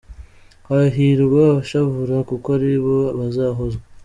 Hahirwa abashavura, Kuko ari bo bazahozwa.